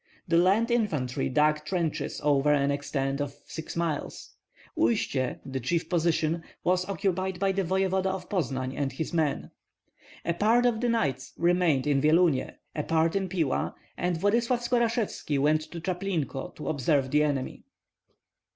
The land infantry dug trenches over an extent of six miles. Uistsie, the chief position, was occupied by the voevoda of Poznan and his men. A part of the knights remained in Vyelunie, a part in Pila, and Vladyslav Skorashevski went to Chaplinko to observe the enemy.